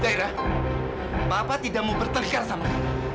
zagira papa tidak mau bertengkar sama kamu